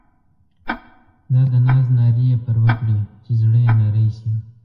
دا د ناز نارې یې پر وکړې چې زړه یې نری شي.